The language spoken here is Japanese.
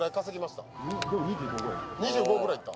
２５ぐらい行った。